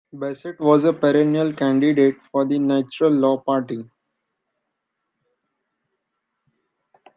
Bessette was a perennial candidate for the Natural Law Party.